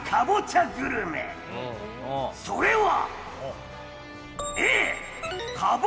それは。